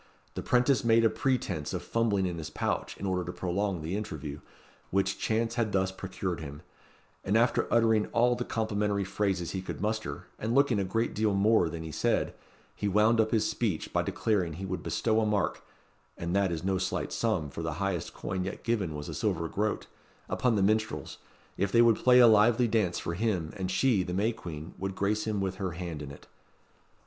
The 'prentice made a pretence of fumbling in his pouch in order to prolong the interview, which chance had thus procured him; and after uttering all the complimentary phrases he could muster, and looking a great deal more than he said, he wound up his speech by declaring he would bestow a mark (and that was no slight sum, for the highest coin yet given was a silver groat) upon the minstrels, if they would play a lively dance for him, and she, the May Queen, would grace him with her hand in it.